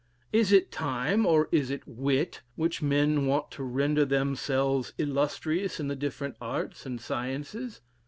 Is it time, or is it wit, which men want to render themselves illustrious in the different arts and sciences?